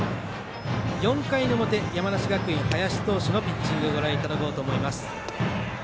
４回の表、山梨学院林投手のピッチングご覧いただこうと思います。